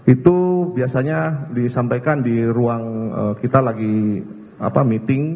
itu biasanya disampaikan di ruang kita lagi meeting